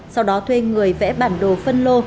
sau đó thuê người vẽ bản đồ phân lô